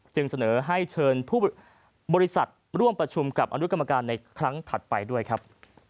จึงเสนอให้เชิญผู้บริษัทร่วมประชุมกับอนุกรรมการในครั้งถัดไปด้วยครับ